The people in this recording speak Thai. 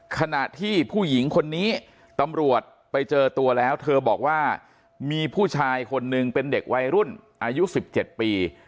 ขณะที่ผู้หญิงคนนี้ตำรวจไปเจอตัวแล้วเธอบอกว่ามีผู้ชายคนนึงเป็นเด็กวัยรุ่นอายุ๑๗ปี